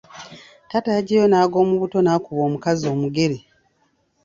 Taata yaggyayo n’ag’omubuto n’akuba omukazi omugere.